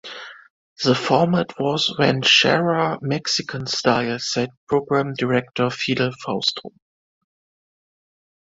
The format was "Ranchera Mexican style," said program director Fidel Fausto.